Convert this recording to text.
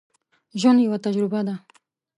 ژوند یوه تجربه ده